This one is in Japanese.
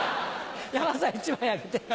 山田さん１枚あげて。